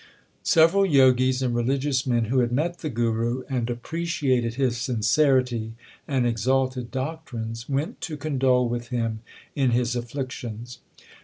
Several Jogis and religious men who had met the Guru and appreciated his sincerity and exalted doctrines, went to condole with him in his afflictions.